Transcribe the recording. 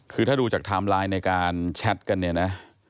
คือถ้าดูจากไทม์ไลน์ในการแชทกันเนี่ยนะ